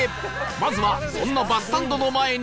まずはそんなバスサンドの前に